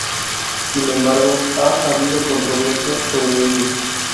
Sin embargo ha habido controversia sobre ello.